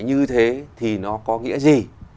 như thế thì nó có nghĩa gì